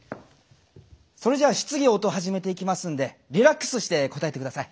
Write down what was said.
それじゃあ質疑応答始めていきますんでリラックスして答えて下さい。